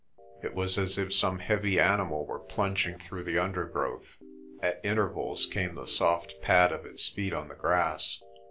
It was as if some heavy animal were plunging through the undergrowth. At intervals came the soft pad of its feet on the grass.